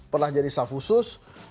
pernah jadi staff khusus